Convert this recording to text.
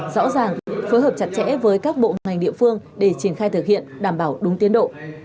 rõ ràng phối hợp chặt chẽ với các bộ ngành địa phương để triển khai thực hiện đảm bảo đúng tiến độ